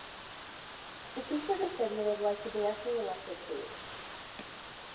The seats are distributed like the directly elected seats.